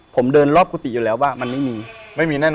ผมเดินรอบกุฏิอยู่แล้วว่ามันไม่มี